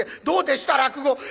「どうでした？落語」